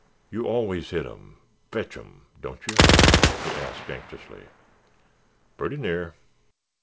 "You always hit 'em—fetch 'em—don't you?" he asked, anxiously. "Purty near."